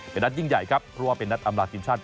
เป็นนัดยิ่งใหญ่ครับเพราะว่าเป็นนัดอำลาทีมชาติ